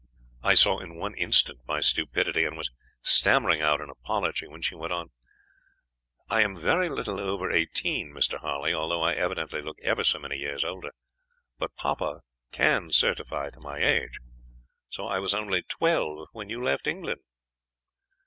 "I saw in one instant my stupidity, and was stammering out an apology, when she went on: "'I am very little over eighteen, Mr. Harley, although I evidently look ever so many years older; but papa can certify to my age; so I was only twelve when you left England.'